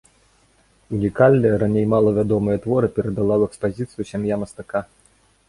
Унікальныя, раней мала вядомыя творы перадала ў экспазіцыю сям'я мастака.